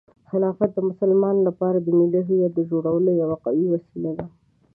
خلافت د مسلمانانو لپاره د ملي هویت د جوړولو لپاره یوه قوي وسیله ده.